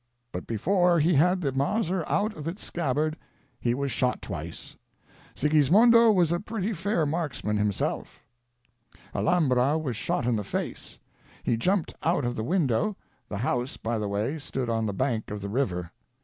But before he had the Mauser out of its scabbard he was shot twice; Sigismondo was a pretty fair marksman himself. " Alambra was shot in the face. He jumped out of the window; the house, by the way, stood on the bank of the river.